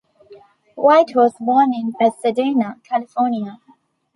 White was born in Pasadena, California.